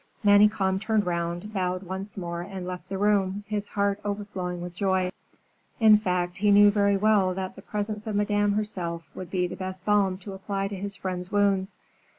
Manicamp turned round, bowed once more, and left the room, his heart overflowing with joy. In fact, he knew very well that the presence of Madame herself would be the best balm to apply to his friend's wounds.